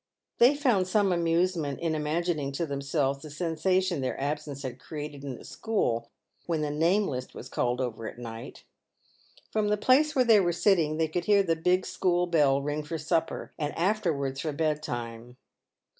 They found some amusement in imagining to themselves the sensa tion their absence had created in the school when the name list was called over at night. From the place where they were sitting they could hear the big school bell ring for supper, and afterwards for bed time.